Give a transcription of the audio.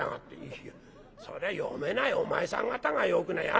「いやそれは読めないお前さん方がよくねえ」。